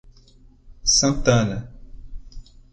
Santana